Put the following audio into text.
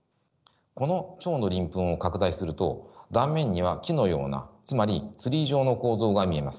このチョウの鱗粉を拡大すると断面には木のようなつまりツリー状の構造が見えます。